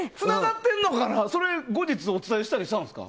それ後日お伝えしたりしたんですか。